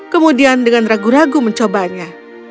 kemudian dengan ragu ragu mencobanya